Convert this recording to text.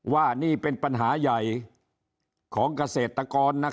ว่านี่เป็นปัญหาใหญ่ของเกษตรกร